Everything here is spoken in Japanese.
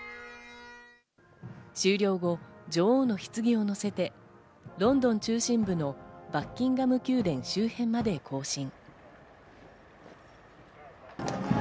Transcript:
終了後、女王のひつぎを乗せてロンドン中心部のバッキンガム宮殿周辺まで行進。